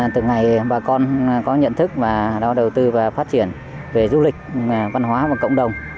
từ ngày bà con có nhận thức và đầu tư và phát triển về du lịch văn hóa và cộng đồng